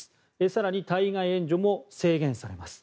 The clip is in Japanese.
更に、対外援助も制限されます。